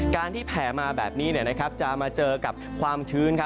การที่แผ่มาแบบนี้จะมาเจอกับความชื้น